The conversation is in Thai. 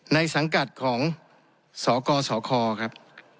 สังกัดของสกสคครับ